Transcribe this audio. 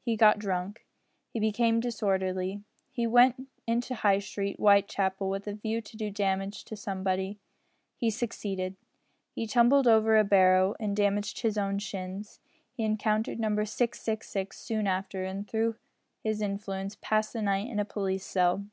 He got drunk. He became disorderly. He went into High Street, Whitechapel, with a view to do damage to somebody. He succeeded. He tumbled over a barrow, and damaged his own shins. He encountered Number 666 soon after, and, through his influence, passed the night in a police cell.